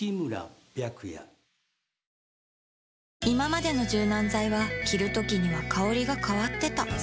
いままでの柔軟剤は着るときには香りが変わってた